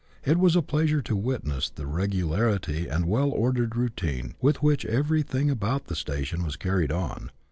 It was a pleasure to witness the regularity and well ordered routine with which everything about the station was carried on.